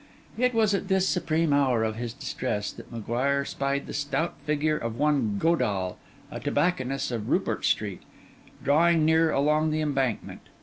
It was at this supreme hour of his distress, that M'Guire spied the stout figure of one Godall, a tobacconist of Rupert Street, drawing near along the Embankment.